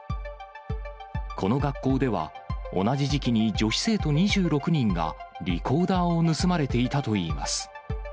この学校では、同じ時期に女子生徒２６人がリコーダーを盗まれていたといいます。